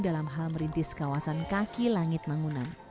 dalam hal merintis kawasan kaki langit mangunam